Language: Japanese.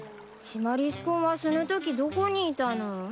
シマリス君はそのときどこにいたの？